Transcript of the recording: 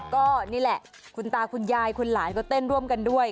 ก็นี่แหละคุณตาคุณยายคุณหลานก็เต้นร่วมกันด้วย